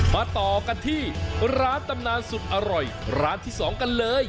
ต่อกันที่ร้านตำนานสุดอร่อยร้านที่๒กันเลย